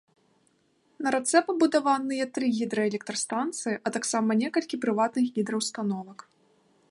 На рацэ пабудаваныя тры гідраэлектрастанцыі, а таксама некалькі прыватных гідраўстановак.